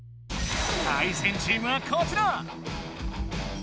対戦チームはこちら！